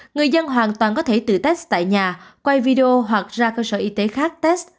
người dân hoàn toàn có thể tự test tại nhà quay video hoặc ra cơ sở y tế khác test